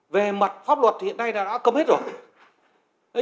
về mặt pháp luật thì hiện nay đã cầm hết rồi